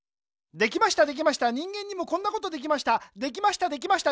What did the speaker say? できましたできました人間にもこんなことできました。